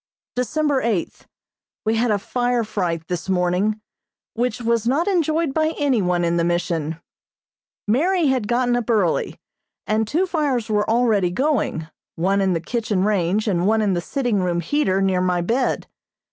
December eighth: We had a fire fright this morning, which was not enjoyed by any one in the Mission. Mary had gotten up early, and two fires were already going, one in the kitchen range and one in the sitting room heater near my bed.